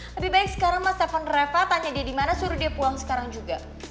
lebih baik sekarang mas tanya dia dimana suruh dia pulang sekarang juga